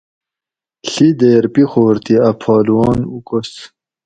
ڷی دیر پیخور تھی اۤ پہلوان اوکس